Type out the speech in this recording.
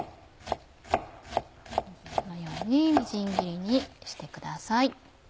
このようにみじん切りにしてください。